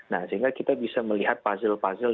nah sehingga kita bisa melihat puzzle puzzle